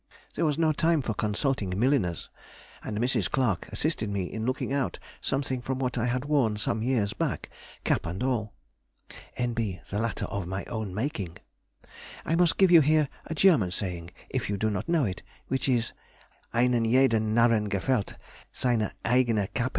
There was no time for consulting milliners, and Mrs. Clarke assisted me in looking out something from what I had worn some years back, cap and all. (N.B.—The latter of my own making.) I must give you here a German saying, if you do not know it, which is, "_Einen jeden Narren gefällt seine eigene Cappe!